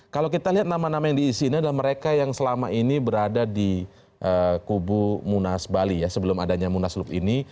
kalau kita lihat nama nama yang diisi ini adalah mereka yang selama ini berada di kubu munas bali ya sebelum adanya munaslup ini